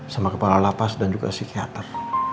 sama kepala lapas dan juga psikiater